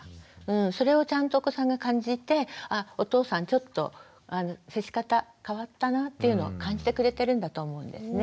それをちゃんとお子さんが感じてお父さんちょっと接し方変わったなっていうのを感じてくれてるんだと思うんですね。